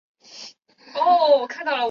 尾柄处在纵带上方形成一黄色斑。